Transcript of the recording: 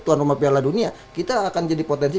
tuan rumah piala dunia kita akan jadi potensi